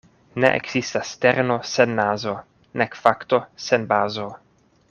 Ne ekzistas terno sen nazo nek fakto sen bazo.